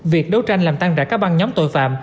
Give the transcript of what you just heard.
việc đấu tranh làm tăng rạ các băng nhóm tội phạm